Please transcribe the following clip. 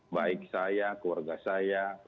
baik saya keluarga saya